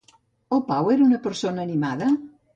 El Pau era una persona animada?